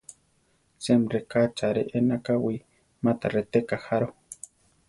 Semreká achare ena kawí ma ta reteka jaro.